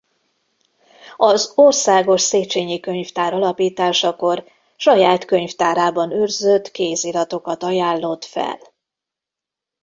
Az Országos Széchényi Könyvtár alapításakor saját könyvtárában őrzött kéziratokat ajánlott fel.